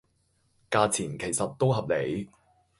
價錢其實都合理